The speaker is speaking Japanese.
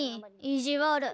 いじわる。